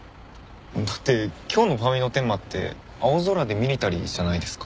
だって今日のファンミのテーマって「青空でミリタリー」じゃないですか。